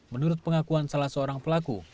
menurut pengakuan salah seorang pelaku